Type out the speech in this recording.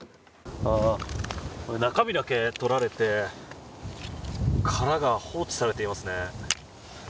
中身だけ取られて殻が放置されていますね。